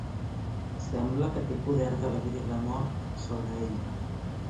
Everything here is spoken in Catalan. Sembla que té el poder de la vida i la mort sobre ella.